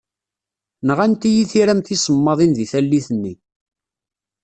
Nɣant-iyi tiram tisemmaḍin deg tallit-nni.